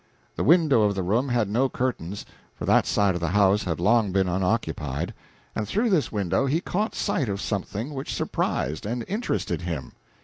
The window of the room had no curtains, for that side of the house had long been unoccupied, and through this window he caught sight of something which surprised and interested him.